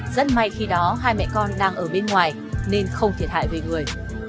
rất may khi đó hai mẹ con đang ở bên ngoài nên không thiệt hại về người